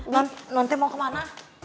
non non teh mau kemana